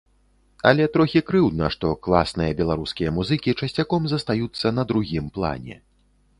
Але трохі крыўдна, што класныя беларускія музыкі часцяком застаюцца на другім плане.